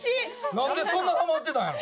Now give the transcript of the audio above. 何でそんなハマってたんやろ？